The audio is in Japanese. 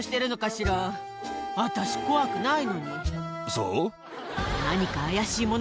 そう？